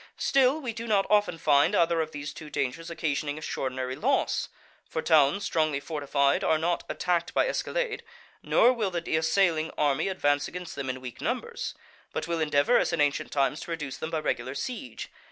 Still, we do not often find either of these two dangers occasioning extraordinary loss. For towns strongly fortified are not attacked by escalade, nor will the assailing army advance against them in weak numbers; but will endeavour, as in ancient times, to reduce them by regular siege.